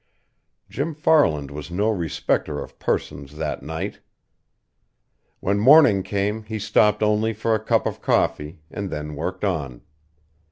Jim Farland was no respecter of persons that night. When morning came he stopped only for a cup of coffee, and then worked on.